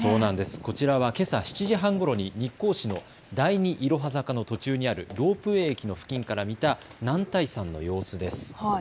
こちらはけさ７時半ごろに日光市の第二いろは坂の途中にあるロープウェイ駅の付近から見た男体山の様子です。